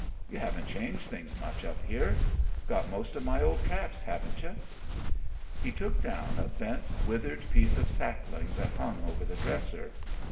"You haven't changed things much up here. Got most of my old traps, haven't you?" He took down a bent, withered piece of sapling that hung over the dresser.